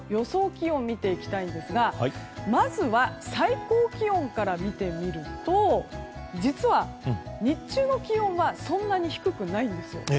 気温を見ていきますとまずは最高気温から見てみると実は、日中の気温はそんなに低くないんです。